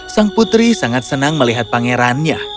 sang putri sangat senang melihat pangerannya